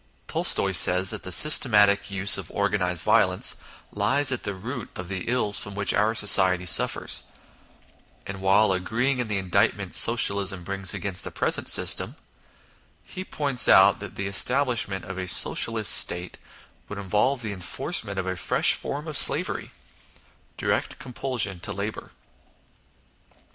Tolstoy says that the systematic use of organised violence lies at the root of the ills from which our society suffers ; and while agree ing in the indictment Socialism brings against i 2 INTRODUCTION the present system, he points out that the establishment of a Socialist State would involve the enforcement of a fresh form of slavery direct compulsion to labour.